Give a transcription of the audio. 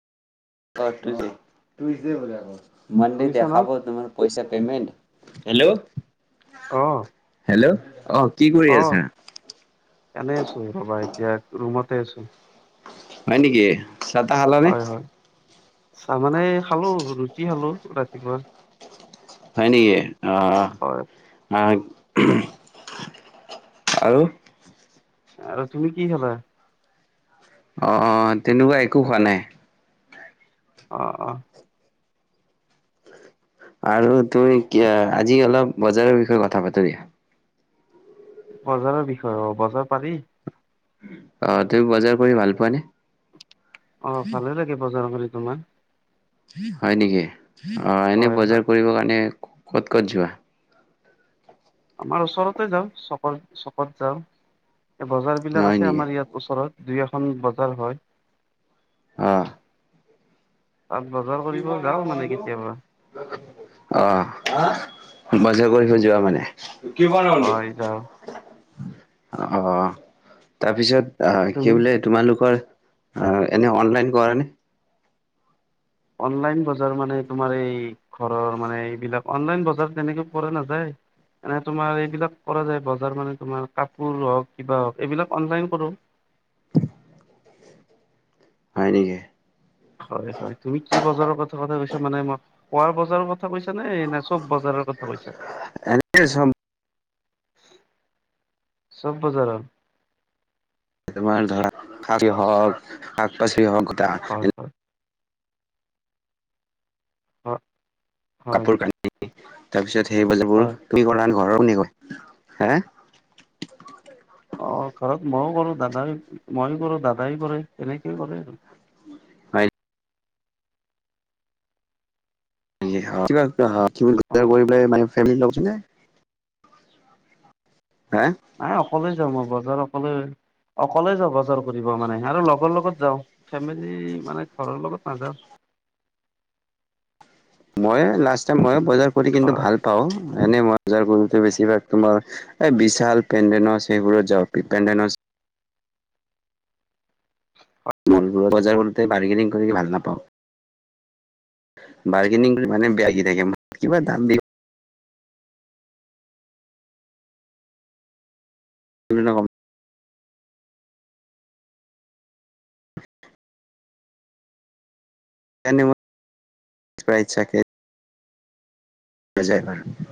অহ', [unintelligible] মানদে শুনিছা ন? দেখাব তোমাক, পইচা পেমেণ্ট হেল্ল', হেল্ল' অ' কি কৰি আছা? অহ', এনেই আছো ৰ'বা এতিয়া ৰুমতে আছো। হয় নেকি, চাহ-তাহ খালা নে? হয়, হয়। চাহ মানে খালো, ৰুটি খালো ৰাতিপুৱা। হয় নেকি, অ' হয়। অ'। আৰু? আৰু তুমি কি খালা? অহ' অহ' তেনেকুৱা একো হোৱা নাই। অহ', অহ'। আৰু তুই, কি আজি অলপ বজাৰৰ বিষয়ে কথা পাতো দিয়া। বজাৰৰ বিষয়ে অ', বজাৰ পাৰি। অ', তুমি বজাৰ কৰি ভাল পোৱানে? অ', ভালেই লাগে বজাৰ কৰি, তোমাৰ? হয় নেকি, অ' এনে হয়, হয়। বজাৰ কৰিব কাৰণে ক'ত ক'ত যোৱা? আমাৰ ওচৰতে যাওঁ, চকত-চকত যাওঁ। এই বজাৰ বিলাক হয় আছে নেকি আমাৰ ইয়াত ওচৰত, দুই এখন বজাৰ হয়। অ'। তাত বজাৰ [unintelligible] কৰিব যাওঁ মানে কেতিয়াবা অ'। বজাৰ কৰি থৈ যোৱা মানে? হয় যাওঁ। [unintelligible] অ' অ', তাৰপিছত অঃ, কি তুমি? বোলে তোমালোকৰ অ', এনে অনলাইন কৰা নে? অনলাইন বজাৰ মানে তোমাৰ এই ঘৰৰ মানে, এইবিলাক অনলাইন বজাৰ তেনেকে কৰা নাযায়। এনে তোমাৰ এইবিলাক কৰা যায়, বজাৰ মানে তোমাৰ কাপোৰ হওক, কিবা হওক, এইবিলাক অনলাইন কৰো। হয় নেকি? হয়, হয়, তুমি কি বজাৰৰ কথা-কথা কৈছা, মানে মই খোৱাৰ বজাৰৰ কথা কৈছা নে, ন চব বজাৰৰ কথা কৈছা? এনে চব চব বজাৰৰ। তোমাৰ ধৰা, শাক [unintelligible] হওঁক, শাক পাচলি হওঁক, গোটা হয় হয় হ কাপোৰ কানি, তাৰ পিছত সেই বজাৰবোৰ, হয়। [unintelligible] কৰা ন ঘৰৰ কোনে [unintelligible] হা? অ', ঘৰত মইয়ো কৰোঁ দাদাই, মইয়ো কৰো দাদাইও কৰে তেনেকেই কৰে আৰু। হয় অ [unintelligible] হা নাই অকলে যাওঁ মই, বজাৰ অকলে অকলে যাওঁ বজাৰ কৰিব মানে, আৰু লগৰ লগত যাওঁ, ফেমেলি মানে ঘৰৰ লগত নাযাওঁ। মইয়ে লাষ্ট টাইম, মই বজাৰ কৰি কিন্তু ভাল পাওঁ, এনেই মই বজাৰ কৰি বেছিভাগ তোমাৰ, এই বিচাল পেনডেনছ সেইবোৰত যা পেনডেনছ। মলবোৰৰ বজাৰ কৰোঁতে বাৰ্গেনিং কৰি ভাল নাপাওঁ। বাৰ্গেনিং কৰি মানে বেয়া [unintelligible] কিবা দামবিলাক বিভিন্ন কাম। [inaudible] [unintelligible] চাগে। [unintelligible]